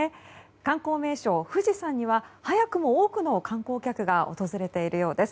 観光名所・富士山には早くも多くの観光客が訪れているようです。